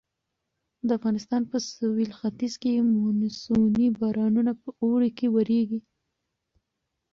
د افغانستان په سویل ختیځ کې مونسوني بارانونه په اوړي کې ورېږي.